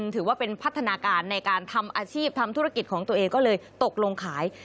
ถือว่าเป็นพัฒนาการในการทำอาชีพทำธุรกิจของตัวเองก็เลยตกลงขาย